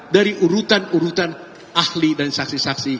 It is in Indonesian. dari urutan urutan ahli dan saksi saksi